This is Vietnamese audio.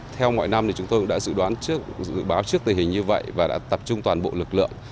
theo mọi năm thì chúng tôi cũng đã dự đoán trước dự báo trước tình hình như vậy và đã tập trung toàn bộ lực lượng